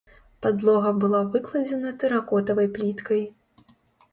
Падлога была выкладзена тэракотавай пліткай.